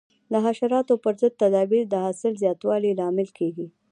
د حشراتو پر ضد تدابیر د حاصل زیاتوالي لامل کېږي.